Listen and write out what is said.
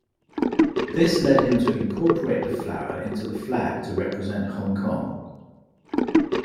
This led him to incorporate the flower into the flag to represent Hong Kong.